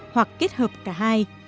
hoặc kết hợp cả hai